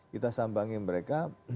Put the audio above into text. kita sambangi mereka